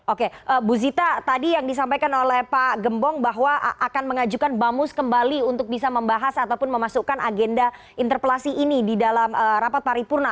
oke bu zita tadi yang disampaikan oleh pak gembong bahwa akan mengajukan bamus kembali untuk bisa membahas ataupun memasukkan agenda interpelasi ini di dalam rapat paripurna